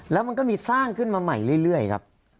แล้วมันก็มีสร้างขึ้นมาใหม่เรื่อยครับ